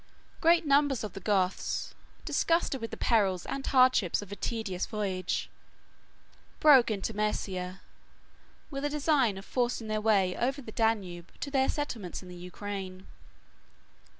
124 Great numbers of the Goths, disgusted with the perils and hardships of a tedious voyage, broke into Mæsia, with a design of forcing their way over the Danube to their settlements in the Ukraine.